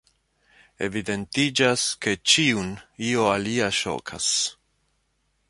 Evidentiĝas, ke ĉiun io alia ŝokas.